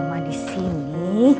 ini oma disini